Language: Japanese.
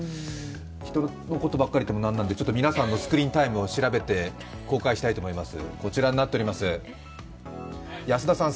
人のことばっかり見ても何なので、皆さんのスクリーンタイムを調べて、公開したいと思います。